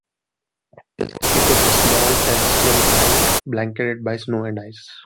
It is a small, terrestrial planet blanketed by snow and ice.